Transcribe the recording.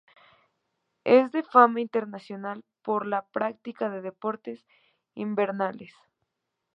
Es de fama internacional por la práctica de deportes invernales.